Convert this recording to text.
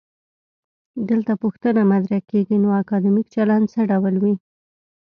دلته پوښتنه مطرح کيږي: نو اکادمیک چلند څه ډول وي؟